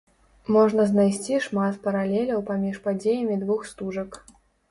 Можна знайсці шмат паралеляў паміж падзеямі двух стужак.